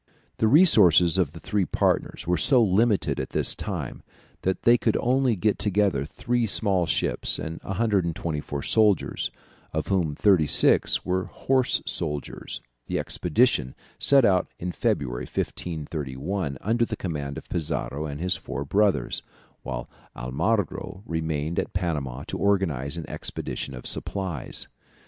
] The resources of the three partners were so limited at this time, that they could only get together three small ships and 124 soldiers, of whom thirty six were horse soldiers; the expedition set out in February, 1531, under the command of Pizarro and his four brothers, whilst Almagro remained at Panama to organize an expedition of supplies.